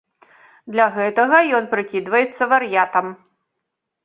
Для гэтага ён прыкідваецца вар'ятам.